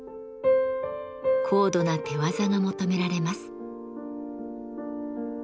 高度な手業が求められます。